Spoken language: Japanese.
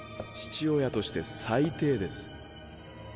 父親として最低です。